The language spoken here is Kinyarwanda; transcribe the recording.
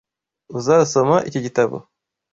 Uzasoma iki gitabo?